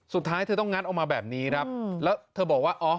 สุดท้ายเธอต้องงัดออกมาแบบนี้ครับแล้วเธอบอกว่าอ๋อ